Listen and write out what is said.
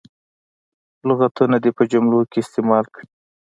لغتونه دې په جملو کې استعمال کړي.